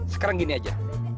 sekarang gini aja